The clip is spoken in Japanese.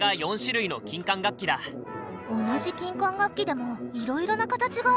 同じ金管楽器でもいろいろな形があるんだね。